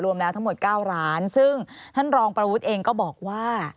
รวมแล้วทั้งหมด๙ร้านซึ่งท่านรองประวุฒิเองก็บอกว่า